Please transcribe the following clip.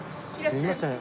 すいません。